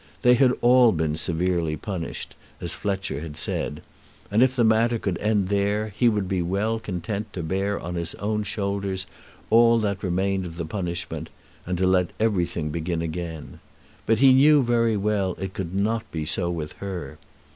They had all been severely punished, as Fletcher had said, and if the matter could end there he would be well content to bear on his own shoulders all that remained of that punishment, and to let everything begin again. But he knew very well it could not be so with her.